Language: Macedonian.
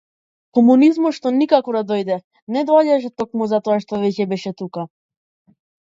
Комунизмот што никако да дојде, не доаѓаше токму затоа што веќе беше тука.